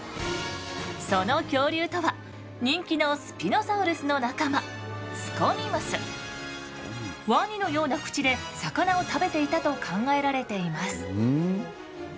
その恐竜とは人気のスピノサウルスの仲間ワニのような口で魚を食べていたと考えられています。